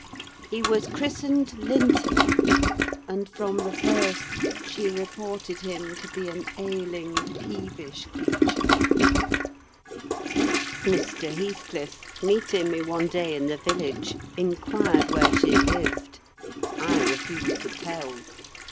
He was christened Linton, and, from the first, she reported him to be an ailing, peevish creature. Mr. Heathcliff, meeting me one day in the village, inquired where she lived. I refused to tell.